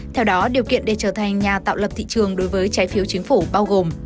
theo đó điều kiện để trở thành nhà tạo lập thị trường đối với trái phiếu chính phủ bao gồm